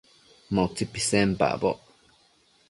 Ma utsi pisenpacboc